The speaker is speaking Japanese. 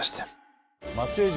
松江城。